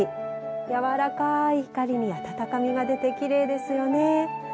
やわらかい光に温かみが出てきれいですよね。